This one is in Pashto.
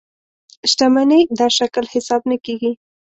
شتمنۍ دا شکل حساب نه کېږي.